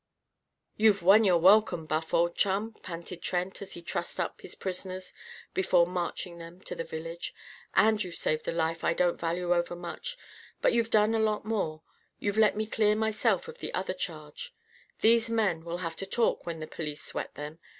"You've won your welcome, Buff, old chum!" panted Trent, as he trussed up his prisoners, before marching them to the village. "And you've saved a life I don't value overmuch. But you've done a lot more. You've let me clear myself of the other charge. These men will have to talk when the police sweat them.